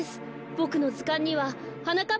ボクのずかんにははなかっ